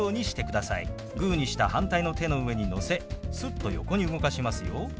グーにした反対の手の上にのせすっと横に動かしますよ。